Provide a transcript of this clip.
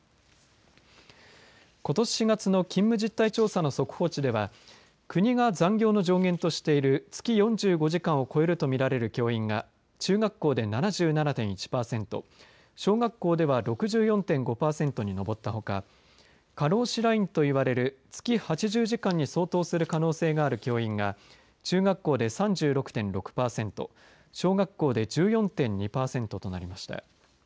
ことし４月の勤務実態調査の速報値では国が残業の上限としている月４５時間を超えると見られる教員が中学校で７７．１パーセント小学校では６４．５パーセントに上ったほか過労死ラインといわれる月８０時間に相当する可能性がある教員が中学校で３６．６パーセント小学校で１４．２パーセントとなりました。